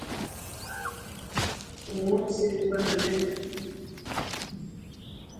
خون سے بننے